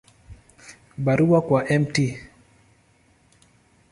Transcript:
Barua kwa Mt.